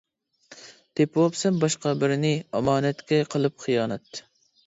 تېپىۋاپسەن باشقا بىرىنى، ئامانەتكە قىلىپ خىيانەت.